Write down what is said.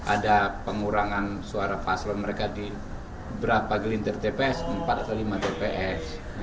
ada pengurangan suara paslon mereka di berapa gelintir tps empat atau lima tps